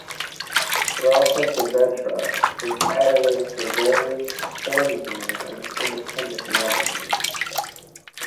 Rafa Saavedra was editor for various fanzines and independent magazines.